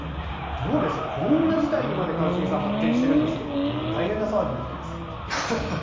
どうですかこんな事態にまで一茂さん発展してるんですけど大変な騒ぎになっています。